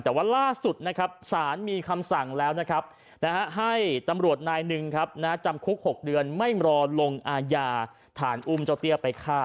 แต่ว่าล่าสุดนะครับสารมีคำสั่งแล้วนะครับให้ตำรวจนายหนึ่งครับจำคุก๖เดือนไม่รอลงอาญาฐานอุ้มเจ้าเตี้ยไปฆ่า